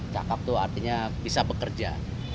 cakap itu artinya bisa bekerja